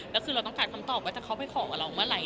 แล้วคือเราต้องการคำตอบว่าจะเข้าไปขอกับเราเมื่อไหร